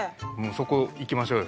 そこ、行きましょうよ。